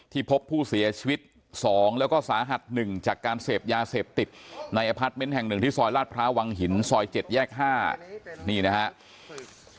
พบผู้เสียชีวิต๒แล้วก็สาหัส๑จากการเสพยาเสพติดในอพาร์ทเมนต์แห่งหนึ่งที่ซอยลาดพร้าววังหินซอย๗แยก๕นี่นะครับ